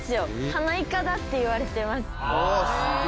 花筏っていわれてます。